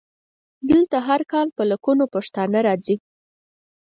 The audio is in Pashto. دلته هر کال په لکونو پښتانه راځي.